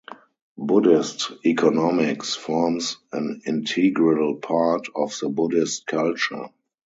Buddhist economics forms an integral part of the Buddhist culture.